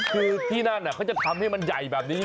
คือที่นั่นเขาจะทำให้มันใหญ่แบบนี้